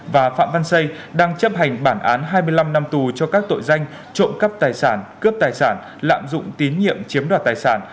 và phạm văn xây đang chấp hành bản án hai mươi năm năm tù cho các tội danh trộm cắp tài sản cướp tài sản lạm dụng tín nhiệm chiếm đoạt tài sản